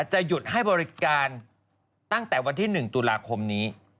จะหยุดให้บริการตั้งแต่วันที่๑ตุลาคมนี้